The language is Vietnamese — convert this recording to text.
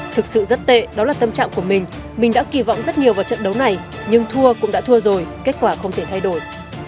thực sự rất tệ đó là tâm trạng của mình mình đã kỳ vọng rất nhiều vào trận đấu này nhưng thua cũng đã thua rồi kết quả không thể thay đổi